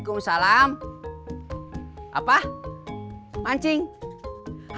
jadi lu udah yang pinset